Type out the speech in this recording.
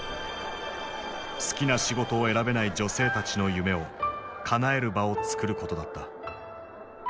好きな仕事を選べない女性たちの夢をかなえる場をつくることだった。